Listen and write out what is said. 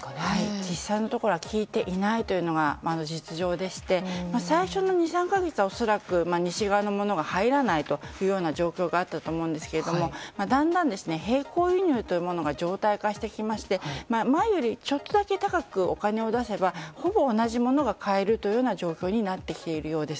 実際のところは効いていないというのが実情でして最初の２３か月は恐らく西側のものが入らない状況があったと思いますがだんだん、並行輸入というものが常態化していまして前よりちょっとだけ高くお金を出せば、ほぼ同じ物が買える状況になっているようです。